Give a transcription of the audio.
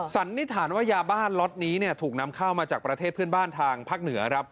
สันนิษฐานว่ายาบ้านล็อตนี้ถูกนำเข้ามาจากประเทศเพื่อนบ้านทางภาคเหนือครับ